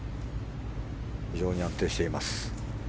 非常に安定しています。